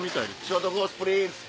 ショートコース